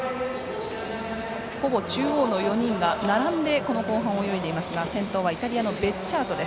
ほぼ中央の４人が並んで先頭を泳いでいますが先頭はイタリアのベッジャート。